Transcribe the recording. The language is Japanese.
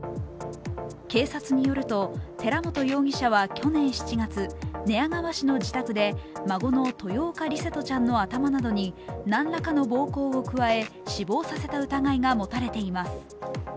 警察によると、寺本容疑者は去年７月、寝屋川市の自宅で孫の豊岡琉聖翔ちゃんの頭などに何らかの暴行を加え死亡させた疑いが持たれています。